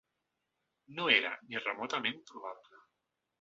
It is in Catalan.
No era ni remotament probable.